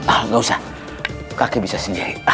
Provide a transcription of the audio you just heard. ah nggak usah kakek bisa sendiri